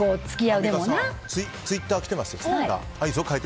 ツイッターきてます。